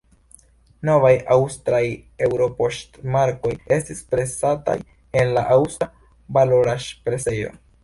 Novaj aŭstraj eŭropoŝtmarkoj estis presataj en la Aŭstra Valoraĵpresejo.